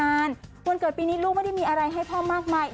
วันเกิดปีนี้ลูกไม่ได้มีอะไรให้พ่อมากมาย